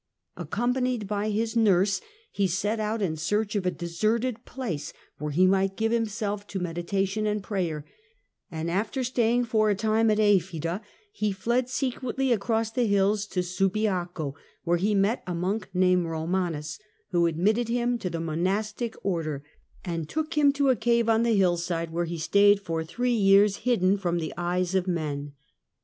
Accompanied by his nurse, he set out in search of a deserted place where he might give himself to medi tation and prayer, and after staying for a time at Efida, he fled secretly across the hills to Subiaco, where he met a monk named Eomanus, who admitted him to the monastic order and took him to a cave on the hillside, where he stayed for three years hidden from the eyes of men.